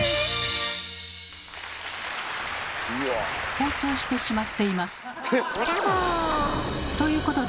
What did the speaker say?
放送してしまっています。